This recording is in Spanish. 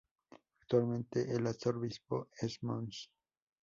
Actualmente el arzobispo es Mons.